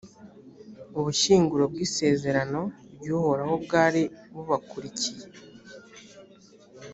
ubushyinguro bw’isezerano ry’uhoraho bwari bubakurikiye.